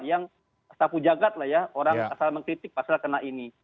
yang sapu jagad lah ya orang asal mengkritik pasal kena ini